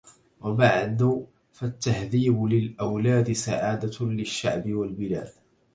وبعد فالتهذيب للأولاد سعادة للشعب والبلاد